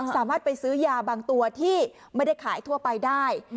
สามารถไปซื้อยาบางตัวที่ไม่ได้ขายทั่วไปได้